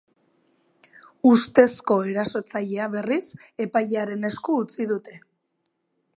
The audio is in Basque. Ustezko erasotzailea, berriz, epailearen esku utzi dute.